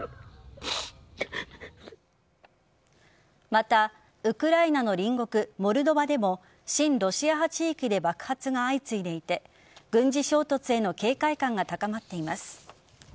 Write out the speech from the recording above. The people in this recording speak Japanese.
また、ウクライナの隣国モルドバでも親ロシア派地域で爆発が相次いでいて軍事衝突への警戒感が高まっています。